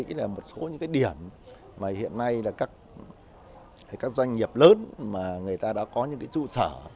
thì tôi có suy nghĩ là một số những cái điểm mà hiện nay là các doanh nghiệp lớn mà người ta đã có những cái trụ sở